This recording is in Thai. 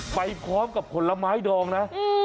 ไปพร้อมกับผลไม้ดองนะ